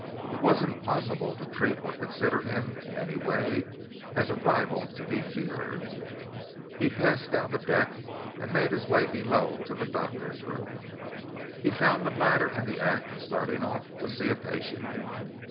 It was impossible to treat or consider him in any way as a rival to be feared. He passed down the deck and made his way below to the doctor's room. He found the latter in the act of starting off to see a patient.